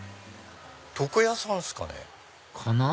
床屋さんっすかね。かな？